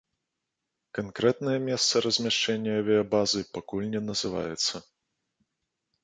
Канкрэтнае месца размяшчэння авіябазы пакуль не называецца.